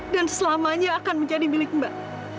dan selamanya akan menjadi milik mbak